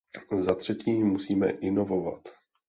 Zatřetí musíme inovovat.